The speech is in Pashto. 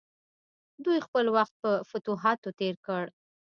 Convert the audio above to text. دوی خپل وخت په فتوحاتو تیر کړ.